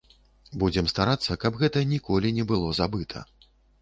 Будзем старацца, каб гэта ніколі не было забыта.